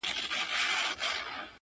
• څوك به وژاړي سلګۍ د يتيمانو,